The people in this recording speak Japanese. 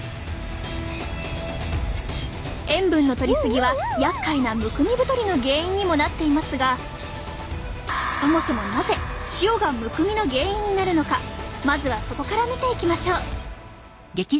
塩分のとり過ぎはやっかいなむくみ太りの原因にもなっていますがそもそもなぜ塩がむくみの原因になるのかまずはそこから見ていきましょう。